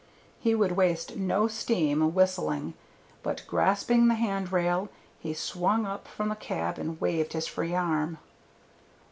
He would waste no steam whistling, but grasping the hand rail he swung out from the cab and waved his free arm.